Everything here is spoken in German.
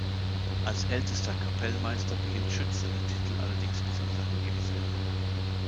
Als „ältester“ Kapellmeister behielt Schütz seinen Titel allerdings bis an sein Lebensende.